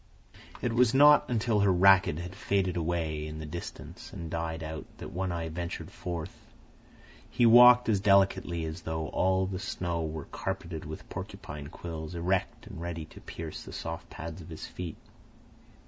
It was not until her racket had faded away in the distance and died out that One Eye ventured forth. He walked as delicately as though all the snow were carpeted with porcupine quills, erect and ready to pierce the soft pads of his feet.